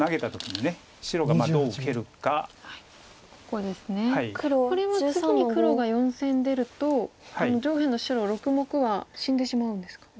これは次に黒が４線に出ると上辺の白６目は死んでしまうんですか。